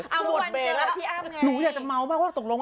หรือวันนี้มีวันนี้มีเดี๋ยวหนูจะเมาให้เป็น